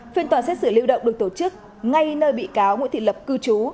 phiên tòa xét xử lưu động được tổ chức ngay nơi bị cáo nguyễn thị lập cư trú